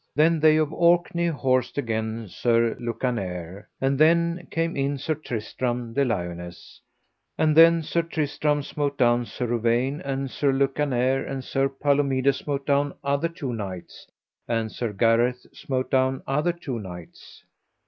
Then they of Orkney horsed again Sir Lucanere. And then came in Sir Tristram de Liones; and then Sir Tristram smote down Sir Uwaine and Sir Lucanere; and Sir Palomides smote down other two knights and Sir Gareth smote down other two knights.